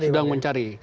dan semua sudah mencari